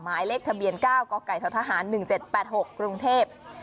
หมายเลขทะเบียน๙กททหาร๑๗๘๖กรุงเทพ